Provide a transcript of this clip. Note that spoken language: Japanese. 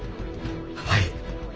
はい。